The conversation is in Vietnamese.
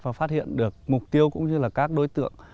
và phát hiện được mục tiêu cũng như là các đối tượng